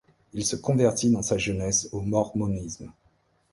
Il se convertit dans sa jeunesse au mormonisme.